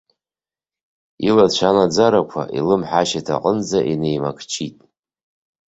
Илацәа анаӡарақәа илымҳа ашьаҭаҟынӡа инеимакҷит.